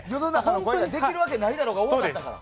本当にできるわけないだろうが多かったから。